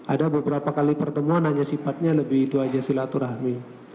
ada beberapa kali pertemuan hanya sifatnya lebih itu aja silaturahmi